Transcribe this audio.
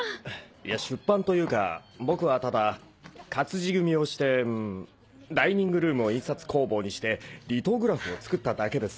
いや出版というか僕はただ活字組みをしてんダイニングルームを印刷工房にしてリトグラフを作っただけです。